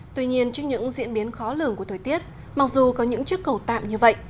tuy nhiên trước những diễn biến khó lường của thời tiết mặc dù có những chiếc cầu tạm như vậy